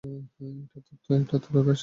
এটা তোরই শো।